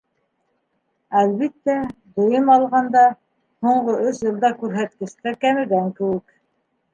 Әлбиттә, дөйөм алғанда, һуңғы өс йылда күрһәткестәр кәмегән кеүек.